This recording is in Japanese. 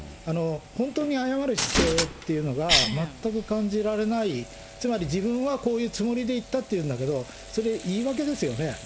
本当に謝る姿勢っていうのが全く感じられない、つまり自分はこういうつもりで行ったと言うんだけど、それ、言い訳ですよね。